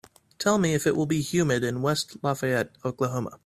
Tell me if it will be humid in West Lafayette, Oklahoma